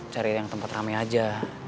cari yang tempat rame aja